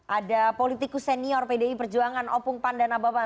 ada politikus senior pdi perjuangan opung panda nababan